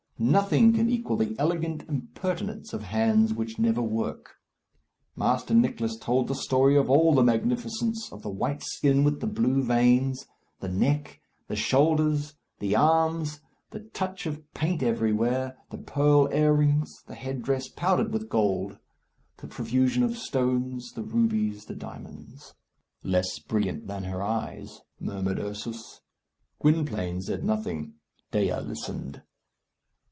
Nothing can equal the elegant impertinence of hands which never work. Master Nicless told the story of all the magnificence, of the white skin with the blue veins, the neck, the shoulders, the arms, the touch of paint everywhere, the pearl earrings, the head dress powdered with gold; the profusion of stones, the rubies, the diamonds. "Less brilliant than her eyes," murmured Ursus. Gwynplaine said nothing. Dea listened.